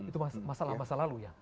itu masa lalu ya